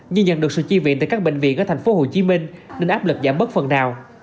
nhưng nhận được sự chi viện từ các bệnh viện ở thành phố hồ chí minh nên áp lực giảm bất phần nào